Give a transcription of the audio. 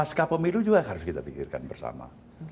the next faska pemilu juga harus kita pikirkan bersama